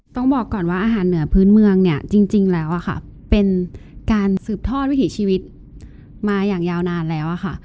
ต้องบอกก่อนว่าอาหารเหนือพื้นเมืองเนี่ยจริงแล้วค่ะเป็นการสืบทอดวิถีชีวิตมาอย่างยาวนานแล้วค่ะ